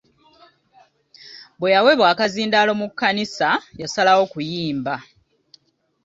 Bwe yaweebwa okazindaalo mu kkanisa, yasalawo okuyimba.